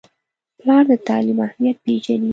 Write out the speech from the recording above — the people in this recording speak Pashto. پلار د تعلیم اهمیت پیژني.